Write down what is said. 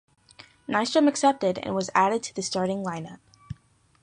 Nystrom accepted, and was added to the starting lineup.